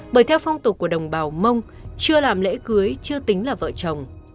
bởi theo phong tục của đồng bào mông chưa làm lễ cưới chưa tính là vợ chồng